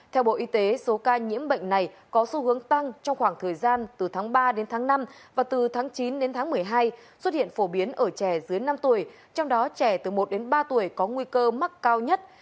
theo bộ y tế số ca nhiễm bệnh này có xu hướng tăng trong khoảng thời gian từ tháng ba đến tháng năm và từ tháng chín đến tháng một mươi hai xuất hiện phổ biến ở trẻ dưới năm tuổi trong đó trẻ từ một đến ba tuổi có nguy cơ mắc cao nhất